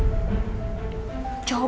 kamu bisa seenaknya sama aku